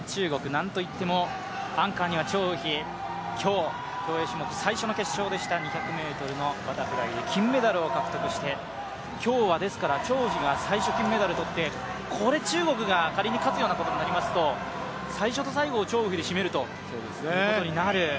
なんといってもアンカーには張雨霏、今日、競泳種目最初の種目でした２００ｍバタフライで金メダルを獲得して、今日は張雨霏が最初、金メダルを取ってこれ中国が仮に勝つようなことになりますと最初と最後を張雨霏が占ことになる。